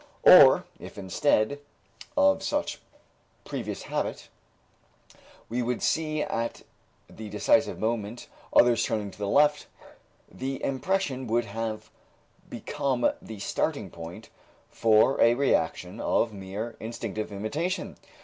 Or if instead of such previous habit, we should see at the decisive moment others turning to the left, the impression would have become the starting point for a reaction of mere instinctive imitation.